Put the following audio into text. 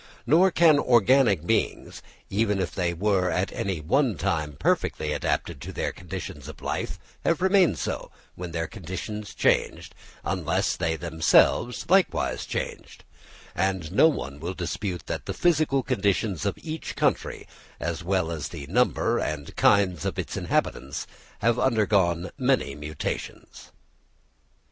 Nor can organic beings, even if they were at any one time perfectly adapted to their conditions of life, have remained so, when their conditions changed, unless they themselves likewise changed; and no one will dispute that the physical conditions of each country, as well as the number and kinds of its inhabitants, have undergone many mutations.